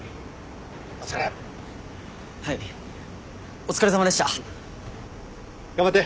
お疲れさまでした。頑張って。